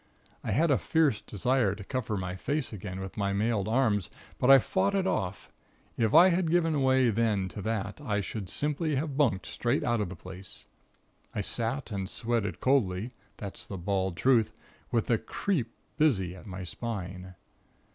I had a fierce desire to cover my face again with my mailed arms, but I fought it off. If I had given way then to that, I should simply have bunked straight out of the place. I sat and sweated coldly (that's the bald truth), with the 'creep' busy at my spine....